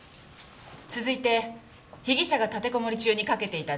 続いて被疑者が立てこもり中にかけていた電話。